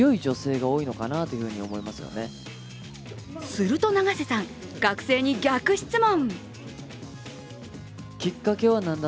すると永瀬さん、学生に逆質問。